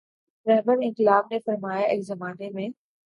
رہبرانقلاب نے فرمایا ایک زمانے میں